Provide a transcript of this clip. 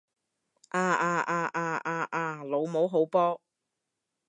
啊啊啊啊啊啊！老母好波！